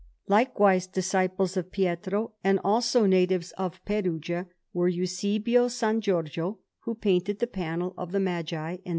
Likewise disciples of Pietro, and also natives of Perugia, were Eusebio San Giorgio, who painted the panel of the Magi in S.